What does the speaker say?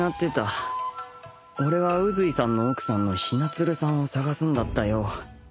俺は宇髄さんの奥さんの雛鶴さんを捜すんだったよ